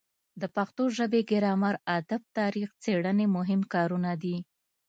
د پښتو ژبې ګرامر ادب تاریخ څیړنې مهم کارونه دي.